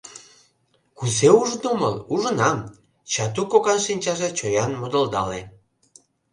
— Кузе ужын омыл, ужынам, — Чатук кокан шинчаже чоян модылдале.